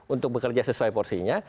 untuk bekerja sesuai porsinya